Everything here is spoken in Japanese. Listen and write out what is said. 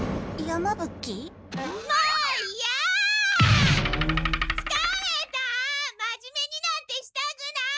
まじめになんてしたくない！